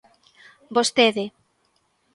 Vostede.